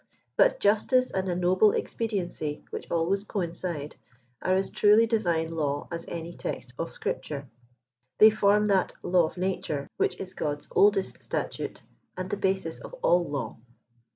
But justice and a true expediency, which always coincide, are as truly divine law as any text of Scripture. They form that " law of nature" which is God's oldest statute and the basis of all law.